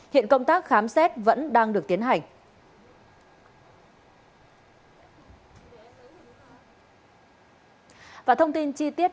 hiện công tác khám xét vẫn đang được tiến hành